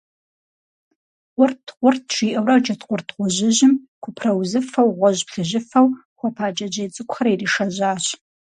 Къурт–къурт, жиӀэурэ джэдкъурт гъуэжьыжьым купраузыфэу, гъуэжь–плъыжьыфэу хуэпа джэджьей цӀыкӀухэр иришэжьащ.